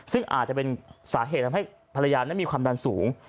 ซึ่งอาจจะเป็นสาเหตุทำให้ภรรยานั้นมีความดันสูง